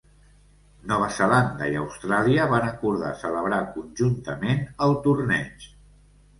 Nova Zelanda i Austràlia van acordar celebrar conjuntament el torneig.